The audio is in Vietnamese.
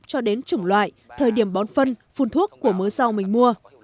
cho đến chủng loại thời điểm bón phân phun thuốc của muối rau mình mua